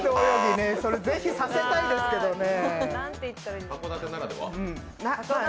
それぜひさせたいですけどね。